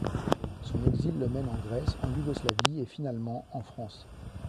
Son exil le mène de Grèce en Yougoslavie et finalement en France.